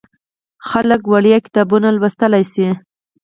خلک وړیا کتابونه لوستلی شي.